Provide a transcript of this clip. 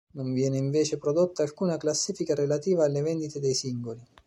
Non viene invece prodotta alcuna classifica relativa alle vendite dei singoli.